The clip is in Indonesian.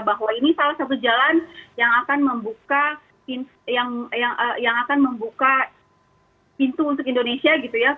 bahwa ini salah satu jalan yang akan membuka pintu untuk indonesia gitu ya